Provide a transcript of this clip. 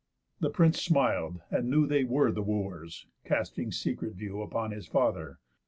The prince smil'd, and knew They were the Wooers, casting secret view Upon his father.